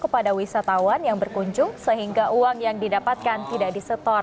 kepada wisatawan yang berkunjung sehingga uang yang didapatkan tidak disetor